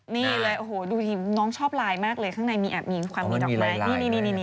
นี่เลยโอ้โหดูที่น้องชอบลายมากเลยข้างในมีแอบมีนความรู้ดับไหม